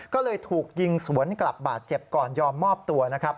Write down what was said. ก็เลยถูกยิงสวนกลับบาดเจ็บก่อนยอมมอบตัวนะครับ